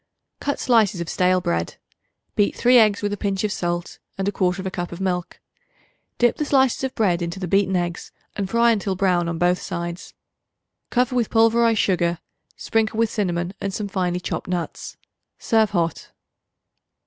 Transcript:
Cut slices of stale bread; beat 3 eggs with a pinch of salt and 1/4 cup of milk. Dip the slices of bread in the beaten eggs and fry until brown on both sides. Cover with pulverized sugar; sprinkle with cinnamon and some finely chopped nuts. Serve hot.